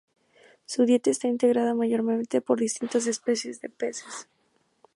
Su dieta está integrada mayormente por distintas especies de peces.